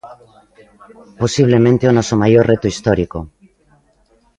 Posiblemente o noso maior reto histórico.